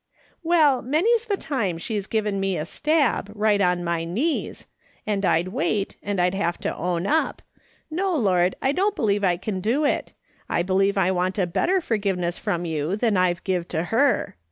" Well, many's the time she's given me a stab, right on my knees, and I'd wait, and I'd have to own up :' No, Lord, I don't believe I can do it ; I believe I want a better forgiveness from you than I've give to her.